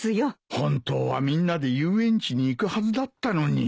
本当はみんなで遊園地に行くはずだったのに。